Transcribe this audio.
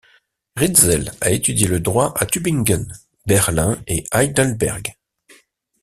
Ritzel a étudié le droit à Tübingen, Berlin et Heidelberg.